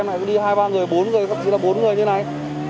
hôm nay em đi hai ba người bốn người thậm chí là bốn người như thế này